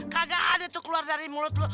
kagak ada itu keluar dari mulut lu